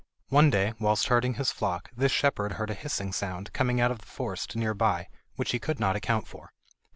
One day, whilst herding his flock, this shepherd heard a hissing sound, coming out of the forest near by, which he could not account for.